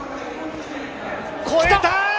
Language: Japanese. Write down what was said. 越えた！